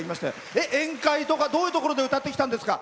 宴会とかどういうところで歌ってきたんですか？